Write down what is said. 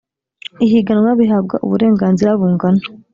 ihiganwa bihabwa uburenganzira bungana